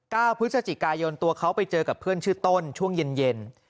พฤศจิกายนตัวเขาไปเจอกับเพื่อนชื่อต้นช่วงเย็นเย็น